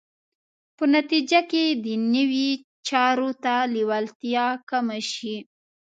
په نتیجه کې دنیوي چارو ته لېوالتیا کمه شي.